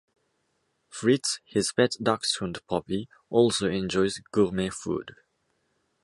"Fritz", his pet dachshund puppy, also enjoys gourmet food.